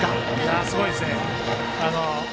すごいですね。